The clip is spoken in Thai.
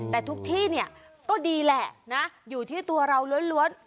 แต่ทุกที่เนี่ยก็ดีแหละนะอยู่ที่ตัวเราล้วน